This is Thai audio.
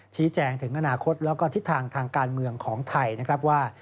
ชี้แจงถึงอนาคตแล้วก็ทิศทางทางการเมืองของไทยนะครับว่า